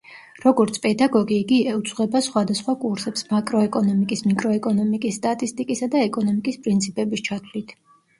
როგორც პედაგოგი, იგი უძღვება სხვადასხვა კურსებს, მაკროეკონომიკის, მიკროეკონომიკის, სტატისტიკისა და ეკონომიკის პრინციპების ჩათვლით.